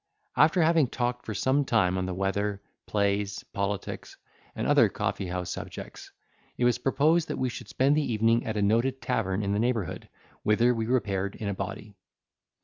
After having talked for some time on the weather, plays, politics, and other coffee house subjects, it was proposed that we should spend the evening at a noted tavern in the neighbourhood, whither we repaired in a body.